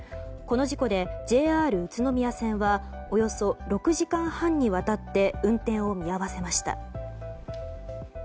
この事故でＪＲ宇都宮線はおよそ６時間半にわたって運転を見合わせました。